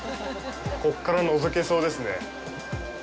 ここからのぞけそうですね。